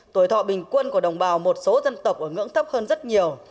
tuổi thọ bình quân của đồng bào một số dân tộc ở ngưỡng thấp hơn rất nhiều